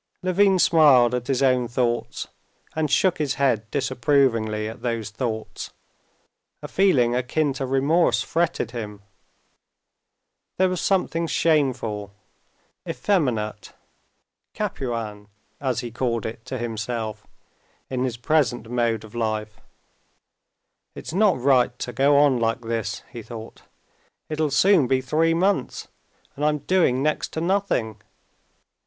Levin smiled at his own thoughts, and shook his head disapprovingly at those thoughts; a feeling akin to remorse fretted him. There was something shameful, effeminate, Capuan, as he called it to himself, in his present mode of life. "It's not right to go on like this," he thought. "It'll soon be three months, and I'm doing next to nothing.